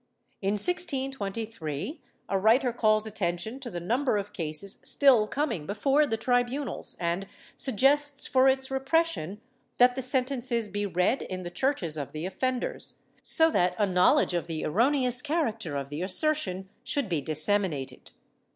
In 1623 a writer calls attention to the number of cases still coming before the tribunals, and suggests for its repression that the sen tences be read in the churches of the offenders, so that a knowl edge of the erroneous character of the assertion should be dissemi nated.